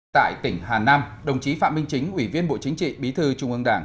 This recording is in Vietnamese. tại tỉnh hà nam đồng chí phạm minh chính ủy viên bộ chính trị bí thư trung ương đảng